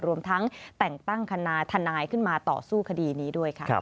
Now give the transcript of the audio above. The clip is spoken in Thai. รวมทั้งแต่งตั้งคณะทนายขึ้นมาต่อสู้คดีนี้ด้วยค่ะ